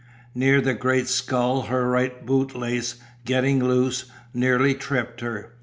Near the great skull her right bootlace, getting loose, nearly tripped her.